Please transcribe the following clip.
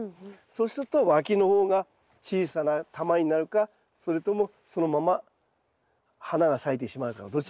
そうするとわきの方が小さな球になるかそれともそのまま花が咲いてしまうかのどちらかですね。